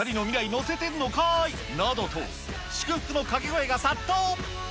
乗せてんのかーい！などと、祝福の掛け声が殺到。